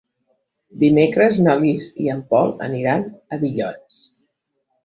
Dimecres na Lis i en Pol aniran a Villores.